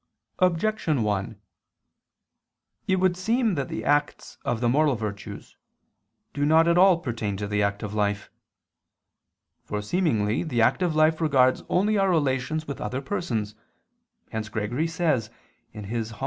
Objection 1: It would seem that the acts of the moral virtues do not all pertain to the active life. For seemingly the active life regards only our relations with other persons: hence Gregory says (Hom.